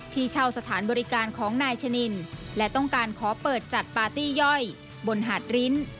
ที่เช่าสถานบริการของนายชะนินและต้องการขอเปิดจัดปาร์ตี้ย่อยบนหาดริ้น